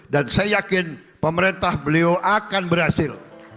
dan saya yakin pemerintah beliau akan berhasil